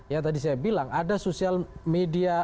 ya tadi saya bilang ada social media